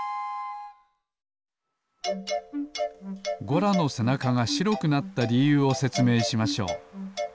ゴラのせなかがしろくなったりゆうをせつめいしましょう。